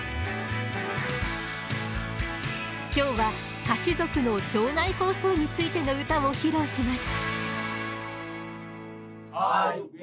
今日はカシ族の町内放送についての歌を披露します。